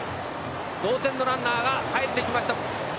同点のランナーが帰ってきました。